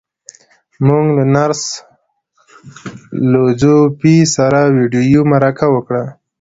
موږ له نرس لو ځو پي سره ويډيويي مرکه وکړه.